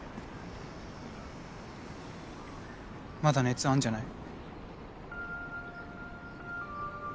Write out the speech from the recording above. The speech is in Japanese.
まだ熱あるんじゃない？